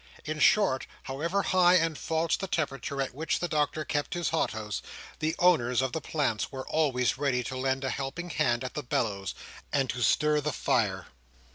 In short, however high and false the temperature at which the Doctor kept his hothouse, the owners of the plants were always ready to lend a helping hand at the bellows, and to stir the fire.